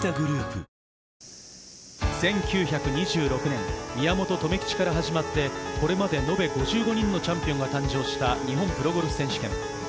１９２６年、宮本留吉から始まって、これまで延べ５５人のチャンピオンが誕生した日本プロゴルフ選手権。